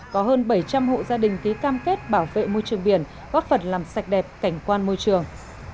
có hơn bảy trăm linh hộ gia đình ký cam kết bảo vệ môi trường biển góp phần làm sạch đẹp cảnh quan môi trường